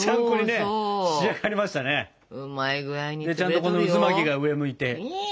でちゃんとこの渦巻きが上向いて。